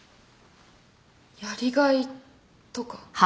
やりがいとか？